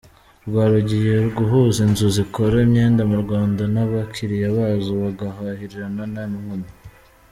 rw rugiye guhuza inzu zikora imyenda mu Rwanda n’abakiriya bazo bagahahirana nta nkomyi.